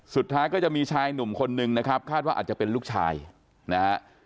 สุดท้ายก็จะมีชายหนุ่มคนนึงนะครับคาดว่าอาจจะเป็นลูกชายนะฮะ